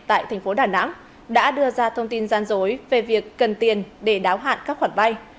tại tp đà nẵng đã đưa ra thông tin gian dối về việc cần tiền để đáo hạn các khoản bay